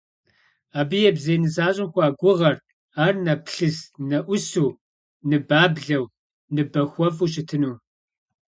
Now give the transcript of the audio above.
Абы ебзей нысащӀэм хуагугъэрт ар нэплъыс-нэӀусу, ныбаблэу, ныбэхуэфӀу щытыну.